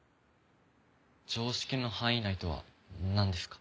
常識の範囲内とはなんですか？